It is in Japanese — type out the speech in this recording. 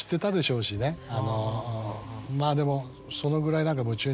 まぁでもそのぐらい。